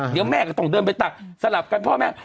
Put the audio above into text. เดี๋ยวแม่ก็ต้องเดินไปตักสลับกันพ่อแม่